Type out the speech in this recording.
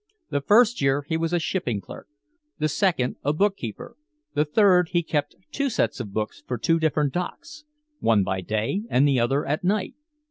The first year he was a shipping clerk; the second, a bookkeeper; the third, he kept two sets of books for two different docks, one by day and the other at night.